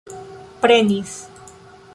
prenis